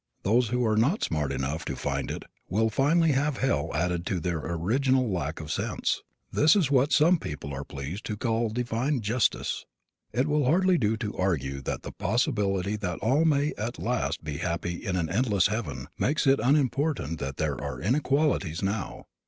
Those who are not smart enough to find it will finally have hell added to their original lack of sense. This is what some people are pleased to call divine justice! It will hardly do to argue that the possibility that all may at last be happy in an endless heaven, makes it unimportant that there are inequalities now.